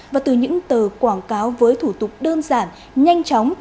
và từ những tờ quảng cáo với thủ tục đơn giản nhanh chóng